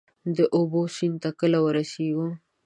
د اوبو، سیند ته کله ورسیږو؟